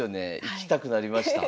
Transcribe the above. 行きたくなりました。